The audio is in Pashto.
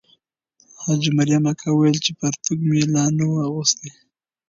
حاجي مریم اکا وویل چې پرتوګ مې لا نه وو اغوستی.